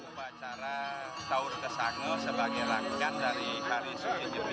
upacara taur kesanga sebagai rangkaian dari hari ini